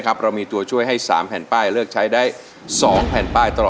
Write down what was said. ครั้งไหนเอ่ย